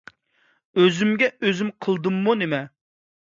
ئۆزۈمگە ئۆزۈم قىلدىممۇ نېمە؟